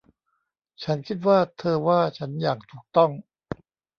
ฉันคิดว่าเธอว่าฉันอย่างถูกต้อง